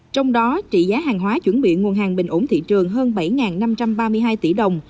trong đó trị giá hàng hóa chuẩn bị nguồn hàng bình ổn thị trường hơn bảy năm trăm ba mươi hai tỷ đồng